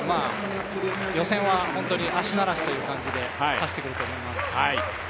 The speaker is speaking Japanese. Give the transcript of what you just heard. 予選は本当に足慣らしという感じで走ってくると思います。